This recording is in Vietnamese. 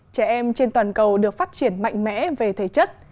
trẻ em trên toàn cầu được phát triển mạnh mẽ về thể chất